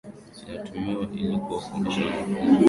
inatumiwa ili kuwafundishia wanafunzi kunako